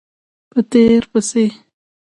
په تېر پسې